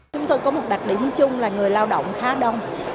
chúng tôi có một đặc điểm chung là người lao động khá đông